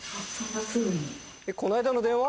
この間の電話